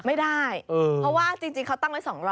ไม่ได้เพราะว่าจริงเขาตั้งไว้๒๐๐